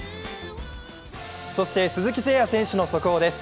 そして鈴木誠也選手の速報です。